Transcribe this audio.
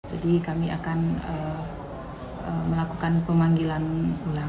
jadi kami akan melakukan pemanggilan ulang